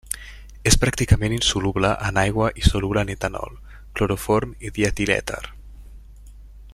És pràcticament insoluble en aigua i soluble en etanol, cloroform i dietilèter.